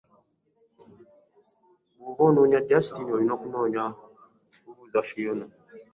Wooba onoonya Justine olina kubuuza Phiona.